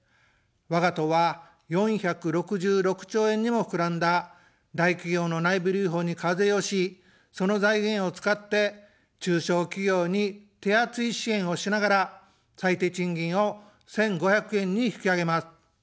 わが党は４６６兆円にもふくらんだ大企業の内部留保に課税をし、その財源を使って、中小企業に手厚い支援をしながら、最低賃金を１５００円に引き上げます。